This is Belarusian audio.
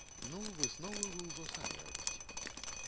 Ну, высновы вы ўжо самі рабіце.